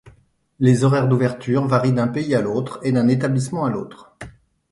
Les horaires d'ouverture varient d'un pays à l'autre et d'un établissement à l'autre.